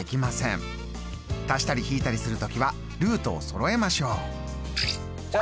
足したり引いたりする時はルートをそろえましょう。